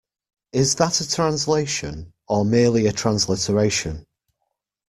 Is that a translation, or merely a transliteration?